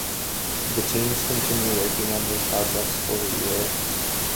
The teams continue working on their projects for a year.